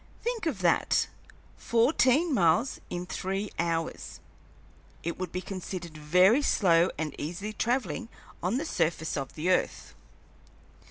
Think of that fourteen miles in three hours! It would be considered very slow and easy travelling on the surface of the earth.